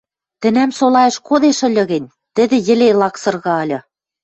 Тӹнӓм солаэш кодеш ыльы гӹнь, тӹдӹ йӹле лаксырга ыльы.